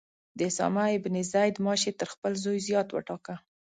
د اسامه بن زید معاش یې تر خپل زوی زیات وټاکه.